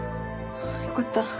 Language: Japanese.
よかった。